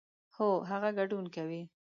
هو، هغه ګډون کوي